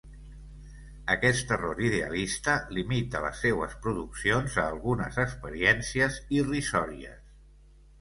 Aquest error idealista limita les seues produccions a algunes experiències irrisòries.